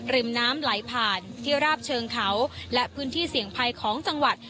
ริมน้ำไหลผ่านที่ราบเชิงเขาและพื้นที่เสี่ยงภัยของจังหวัด